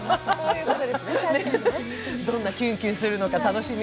どんなキュンキュンするのか、楽しみ。